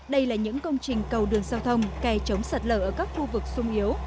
đây là những công trình cầu đường giao thông kè chống sạt lở ở các khu vực sung yếu